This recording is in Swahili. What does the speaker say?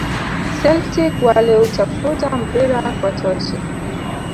celtic waliutafuta mpira kwa tochi